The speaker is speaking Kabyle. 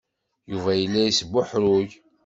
Yuba yella yesbuḥruy.